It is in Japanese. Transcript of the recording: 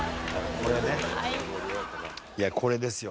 いやこれですよ。